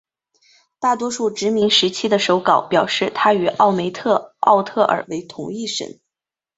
大多数殖民时期的手稿表示她与奥梅特奥特尔为同一神。